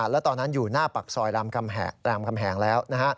แล้วตอนนั้นอยู่หน้าปากซอยรามคำแหงแล้ว